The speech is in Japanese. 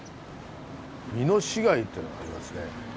「美濃市街」っていうのがありますね。